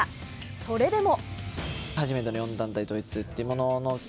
それでも。